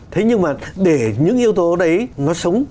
thế nhưng mà để những yếu tố đấy nó sống